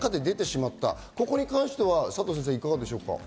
ここに関して佐藤先生、いかがですか？